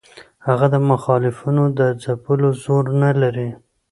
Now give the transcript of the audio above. هغه د مخالفینو د ځپلو زور نه لري.